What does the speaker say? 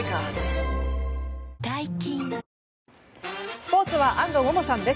スポーツは安藤萌々さんです。